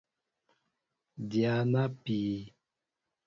Dya na pii.